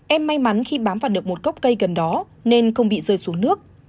em may mắn khi bám vào được một cốc cây gần đó